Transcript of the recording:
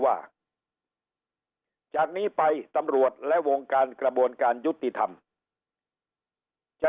ว่าจากนี้ไปตำรวจและวงการกระบวนการยุติธรรมจะ